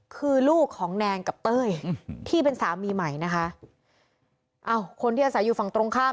คือลูกของแนนกับเต้ยที่เป็นสามีใหม่นะคะอ้าวคนที่อาศัยอยู่ฝั่งตรงข้าม